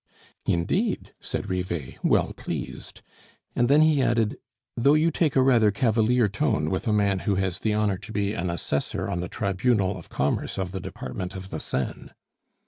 "Indeed," said Rivet, well pleased. And then he added, "Though you take a rather cavalier tone with a man who has the honor to be an Assessor on the Tribunal of Commerce of the Department of the Seine."